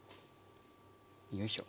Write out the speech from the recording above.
よいしょ。